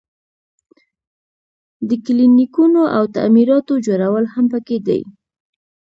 د کلینیکونو او تعمیراتو جوړول هم پکې دي.